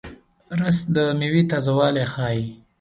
رس د میوې تازهوالی ښيي